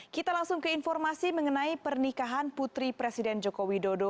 kita langsung ke informasi mengenai pernikahan putri presiden joko widodo